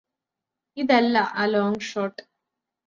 ഇതല്ല ആ long shot